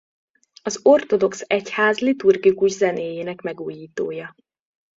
Az ortodox egyház liturgikus zenéjének megújítója.